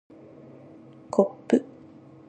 こっぷ